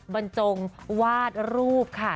บรรจงวาดรูปค่ะ